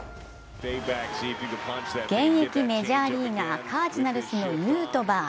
現役メジャーリーガー、カージナルスのヌートバー。